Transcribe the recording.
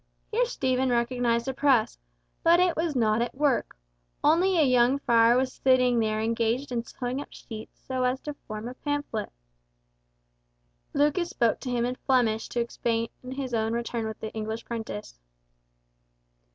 Here Stephen recognised a press, but it was not at work, only a young friar was sitting there engaged in sewing up sheets so as to form a pamphlet. Lucas spoke to him in Flemish to explain his own return with the English prentice.